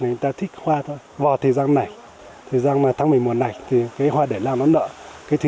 người ta thích hoa thôi vào thời gian này thời gian là tháng một mươi một này thì cái hoa để làm nó nợ cái thứ